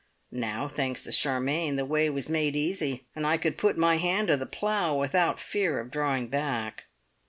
Now, thanks to Charmion, the way was made easy, and I could put my hand to the plough without fear of drawing back.